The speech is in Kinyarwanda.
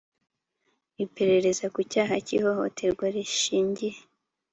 iperereza ku cyaha cy ihohoterwa rishingiye